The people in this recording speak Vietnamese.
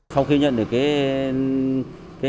không khi nhận được cái